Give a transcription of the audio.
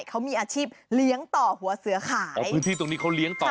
เขามีอาชีพเลี้ยงต่อหัวเสือขายพื้นที่ตรงนี้เขาเลี้ยงต่อ